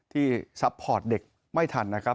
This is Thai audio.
ที่ซับโพสต์เด็กไม่ทันนะครับ